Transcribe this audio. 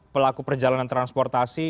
pelaku perjalanan transportasi